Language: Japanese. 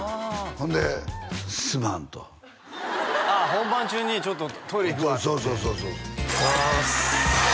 ほんで「すまん」とああ本番中に「ちょっとトイレ行くわ」っつってそうそうそうそうそうお願いします